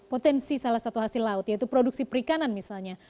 potensi salah satu hasil laut yaitu produksi perikanan misalnya